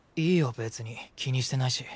別に気にしてないし。